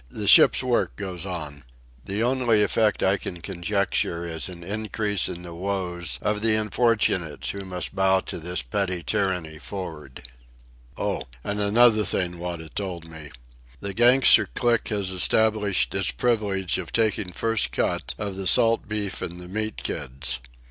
The ship's work goes on. The only effect I can conjecture is an increase in the woes of the unfortunates who must bow to this petty tyranny for'ard. —Oh, and another thing Wada told me. The gangster clique has established its privilege of taking first cut of the salt beef in the meat kids.